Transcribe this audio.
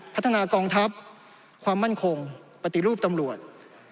พัฒนากองทัพความมั่นคงปฏิรูปตำรวจ